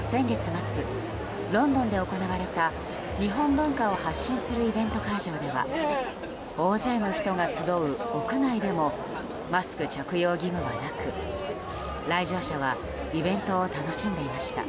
先月末、ロンドンで行われた日本文化を発信するイベント会場では大勢の人が集う屋内でもマスク着用義務はなく来場者はイベントを楽しんでいました。